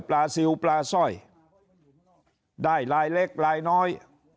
ปลาซิลปลาสร้อยได้ลายเล็กลายน้อย